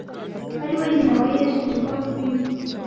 ari we nyina wa Yesu witwa Kristo.